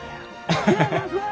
アハハハ。